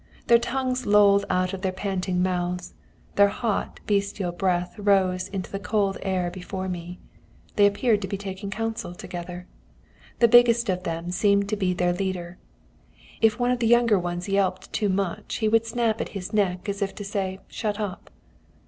Their tongues lolled out of their panting mouths; their hot, bestial breath rose into the cold air before me. They appeared to be taking counsel together. The biggest of them seemed to be their leader. If one of the younger ones yelped too much, he would snap at his neck as if to say 'shut up!'